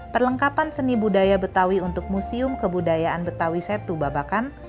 perlengkapan seni budaya betawi untuk museum kebudayaan betawi setu babakan